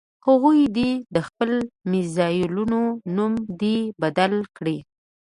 هغوی دې د خپلو میزایلونو نوم دې بدل کړي.